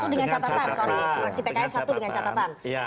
sorry fraksi pki satu dengan catatan